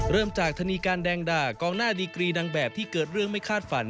เริ่มจากธนีการแดงด่ากองหน้าดีกรีนางแบบที่เกิดเรื่องไม่คาดฝัน